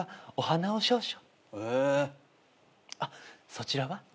そちらは？